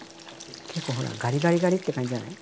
結構ほらガリガリガリッて感じじゃない？